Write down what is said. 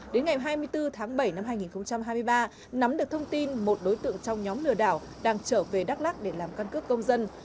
đến ngày hai mươi bốn tháng bảy năm hai nghìn hai mươi ba nắm được thông tin một đối tượng trong nhóm lừa đảo đang trở về đắk lắc để làm căn cước công dân